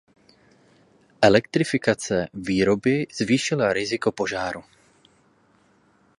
Elektrifikace výroby zvýšila riziko požáru.